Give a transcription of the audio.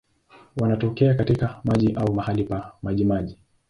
Wanatokea katika maji au mahali pa majimaji.